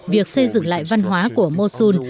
việc xây dựng lại văn hóa của mosul